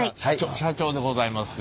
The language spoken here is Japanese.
社長でございますよ。